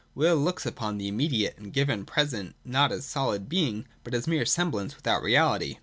Will looks upon the immediate and given present not as solid being, but as mere semblance without reality.